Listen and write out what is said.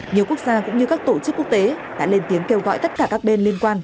nhiều quốc gia cũng như các tổ chức quốc tế đã lên tiếng kêu gọi tất cả các bên liên quan